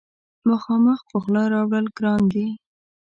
مخامخ په خوله راوړل ګران دي.